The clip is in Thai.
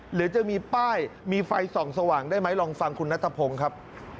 หรือจะมีป้ายมีไฟส่องสว่างได้ไหมลองฟังคุณนัทพงศ์ครับ